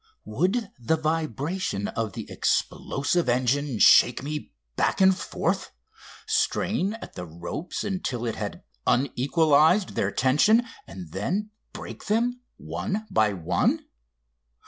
Would the vibration of the explosive engine shake me back and forth, strain at the ropes until it had unequalised their tension, and then break them one by one?